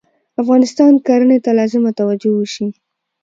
افغانستان کرهنې ته لازمه توجه وشي